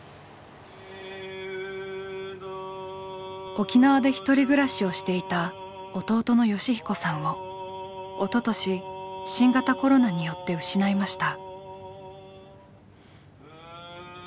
沖縄で１人暮らしをしていた弟の善彦さんをおととし新型コロナによって失いました。